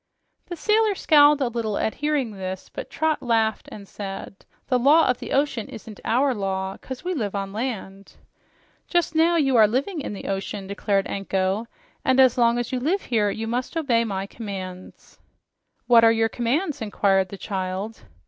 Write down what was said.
The sailor scowled a little at hearing this, but Trot laughed and said, "The law of the ocean isn't OUR law, 'cause we live on land." "Just now you are living in the ocean," declared Anko, "and as long as you live here, you must obey my commands." "What are your commands?" inquired the child.